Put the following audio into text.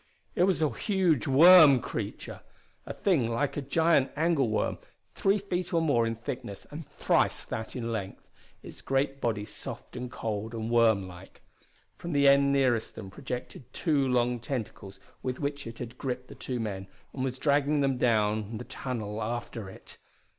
It was a huge worm creature! A thing like a giant angleworm, three feet or more in thickness and thrice that in length, its great body soft and cold and worm like. From the end nearest them projected two long tentacles with which it had gripped the two men and was dragging them down the tunnel after it!